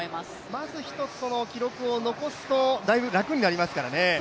まず一つ、記録を残すとだいぶ楽になりますからね。